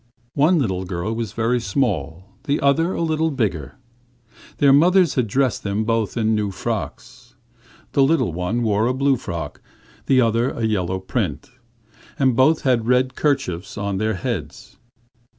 One girl was very small, the other a little bigger. Their mothers had dressed them both in new frocks. The little one wore a blue frock, the other a yellow print, and both had red kerchiefs on their heads.